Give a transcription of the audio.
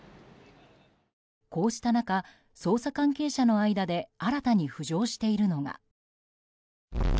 こうした中、捜査関係者の間で新たに浮上しているのが。